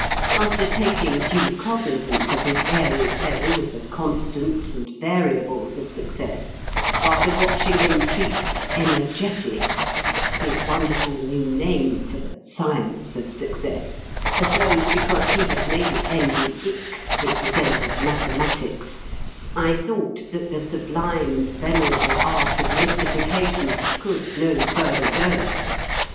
After taking due cognizance of his airy play with the "constants" and "variables" of success, after watching him treat "energetics" (his wonderful new name for the "science" of success) as though because he had made it end in "ics" it resembled mathematics, I thought that the sublime and venerable art of mystification could no further go.